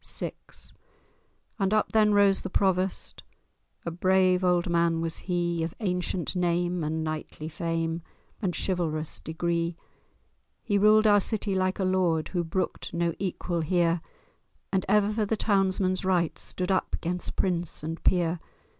VI And up then rose the Provost— A brave old man was he, Of ancient name, and knightly fame, And chivalrous degree. He ruled our city like a Lord Who brooked no equal here, And ever for the townsmen's rights Stood up 'gainst prince and peer.